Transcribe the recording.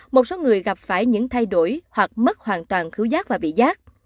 một số người gặp phải những thay đổi hoặc mất hoàn toàn khứu giác và bị giác